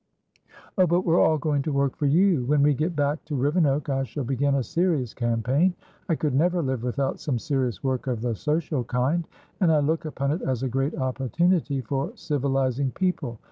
"Oh, but we're all going to work for you. When we get back to Rivenoak, I shall begin a serious campaign. I could never live without some serious work of the social kind, and I look upon it as a great opportunity for civilising people.